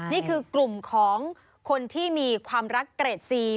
นี่คือกลุ่มของคนที่มีความรักเกรดซี